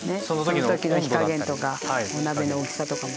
そのときの火加減とかお鍋の大きさとかも。